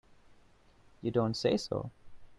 You don't say so!